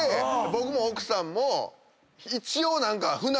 僕も奥さんも一応。